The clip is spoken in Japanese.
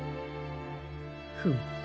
フム。